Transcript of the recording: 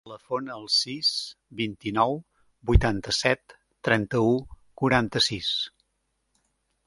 Telefona al sis, vint-i-nou, vuitanta-set, trenta-u, quaranta-sis.